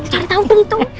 cari tahu tungtu